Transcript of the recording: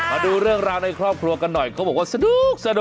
มาดูเรื่องราวในครอบครัวกันหน่อยเขาบอกว่าสนุก